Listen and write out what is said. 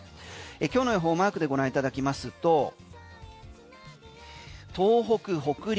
今日の予報マークでご覧いただきますと東北、北陸